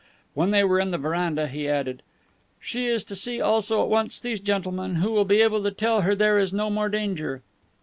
When they were in the veranda, he added: "She is to see also, at once, these gentlemen, who will be able to tell her there is no more danger."